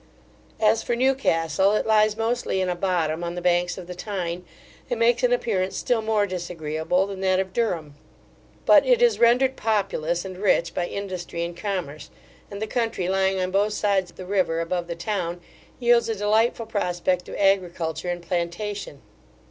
As for Newcastle, it lies mostly in a bottom, on the banks of the Tyne, and makes an appearance still more disagreeable than that of Durham; but it is rendered populous and rich by industry and commerce; and the country lying on both sides the river, above the town, yields a delightful prospect of agriculture and plantation.